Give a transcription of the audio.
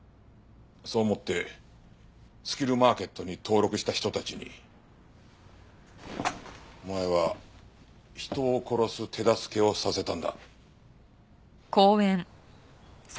そう思ってスキルマーケットに登録した人たちにお前は人を殺す手助けをさせたんだ。